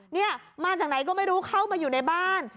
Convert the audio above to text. นี่มาจากไหนก็ไม่รู้เข้ามาอยู่ในบ้าน